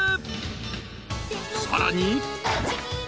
［さらに］